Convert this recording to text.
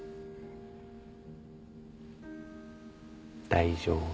大丈夫。